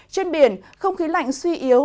trên biển không khí lạnh suy yếu